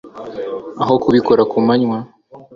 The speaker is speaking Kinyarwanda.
aho kubikora ku manywa